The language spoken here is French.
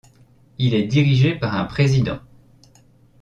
Il est dirigé par un président.